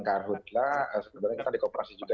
karhutla sebenarnya kita di kooperasi juga